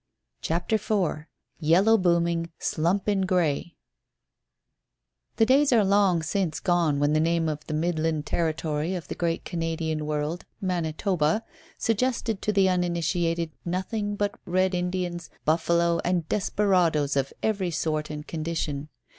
CHAPTER IV 'YELLOW BOOMING SLUMP IN GREY' The days are long since gone when the name of the midland territory of the great Canadian world, Manitoba, suggested to the uninitiated nothing but Red Indians, buffalo and desperadoes of every sort and condition.